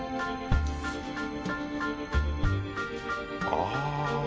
ああ。